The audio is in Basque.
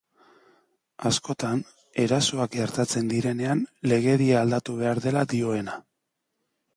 Askotan, erasoak gertatzen direnean legedia aldatu behar dela dioena.